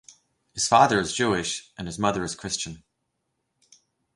His father is Jewish, and his mother Christian.